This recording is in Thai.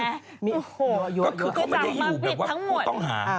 ก็คือเขาไม่ได้อยู่แบบว่าผู้ต้องหา